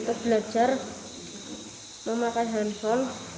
untuk belajar memakai handphone